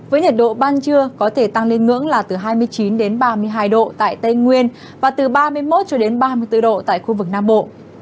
với nhiệt độ ban trưa có thể tăng lên ngưỡng là từ hai mươi chín đến ba mươi hai độ tại tây nguyên và từ ba mươi một cho đến ba mươi bốn độ tại khu vực nam bộ